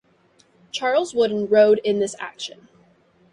Charles Wooden rode in this action.